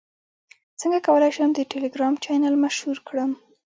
څنګه کولی شم د ټیلیګرام چینل مشهور کړم